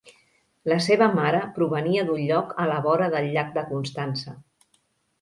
La seva mare provenia d'un lloc a la vora del llac de Constança.